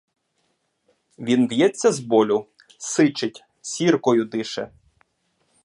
Він в'ється з болю, сичить, сіркою дише.